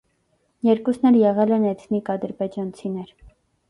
Երկուսն էլ եղել են էթնիկ ադրբեջանցիներ։